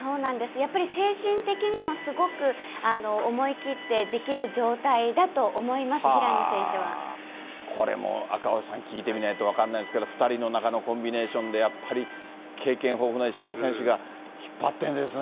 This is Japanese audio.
やっぱり精神的にもすごく思い切ってできる状態だと思います、平これも赤星さん、聞いてみないと分かんないですけど２人の中のコンビネーションでやっぱり、経験豊富な石川選手が引っ張ってるんですね。